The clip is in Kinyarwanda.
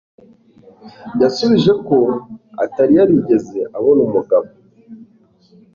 Yasubije ko atari yarigeze abona umugabo